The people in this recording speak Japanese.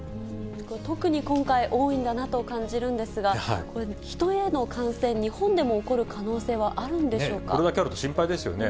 特に今回、多いんだなと感じるんですが、これ、ヒトへの感染、日本でも起こる可能性はあるんでこれだけあると心配ですよね。